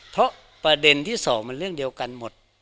เพราะประเด็นที่สองมันเรื่องเดียวกันหมด